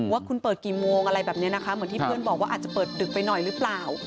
ว่าคุณเปิดกี่โมงอะไรแบบนี้นะคะเหมือนที่เพื่อนบอกว่าอาจจะเปิดดึกไปหน่อยหรือเปล่า